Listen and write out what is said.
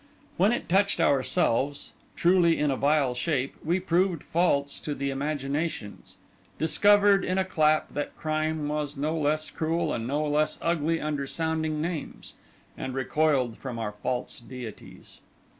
When it touched ourselves (truly in a vile shape), we proved false to the imaginations; discovered, in a clap, that crime was no less cruel and no less ugly under sounding names; and recoiled from our false deities.